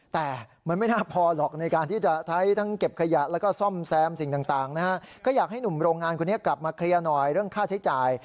แต่มันไม่น่าพอหรอกในการที่จะใช้ทั้งเก็บขยะแล้วก็ซ่อมแซมสิ่งต่างนะฮะก็อยากให้หนุ่มโรงงานคนนี้กลับมาเคลียร์หน่อยเรื่องค่าใช้จ่าย